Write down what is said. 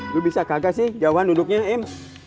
lo bisa kagak sih jauhan duduknya im